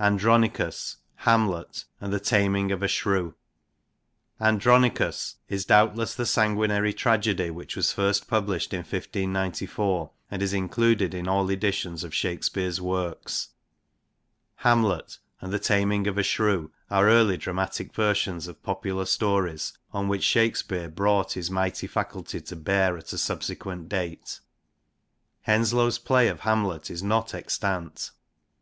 Andronicous, Hamlet^ and The Tamynge of A Shro<wc. Andronicous is doubtless the sanguinary tragedy which was first published in 1594, and is included in all editions of Shakespeare's works. Hamlet and The Tamynge of A Shrowe are early dramatic versions of popular stories, on which Shakespeare brought his mighty faculty to bear at a sub sequent date. Henslowe's play of Hamlet is not extant.